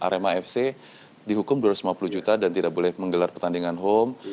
arema fc dihukum dua ratus lima puluh juta dan tidak boleh menggelar pertandingan home